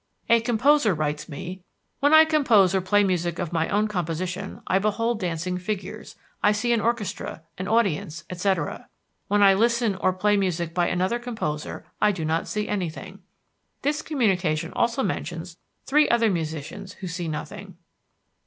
A composer writes me: "When I compose or play music of my own composition I behold dancing figures; I see an orchestra, an audience, etc. When I listen to or play music by another composer I do not see anything." This communication also mentions three other musicians who see nothing.